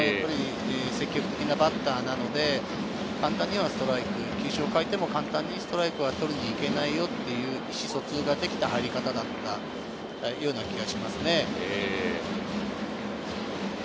積極的なバッターなので、簡単にはストライク、球種を変えても、簡単にストライクは取りにいけないよっていう意思疎通ができた入り方だったというような気がしますね。